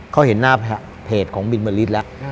เขาเห็นหน้าเพจของบินบริษฐ์แล้ว